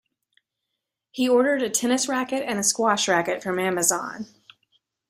He ordered a tennis racket and a squash racket from Amazon.